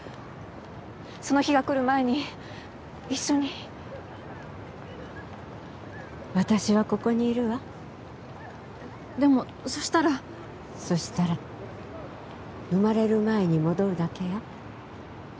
その日が来る前に一緒に私はここにいるわえっでもそしたらそしたら生まれる前に戻るだけよ